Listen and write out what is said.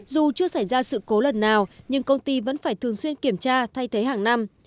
dù chưa xảy ra sự cố lần nào nhưng công ty vẫn phải thường xuyên kiểm tra thay thế hàng năm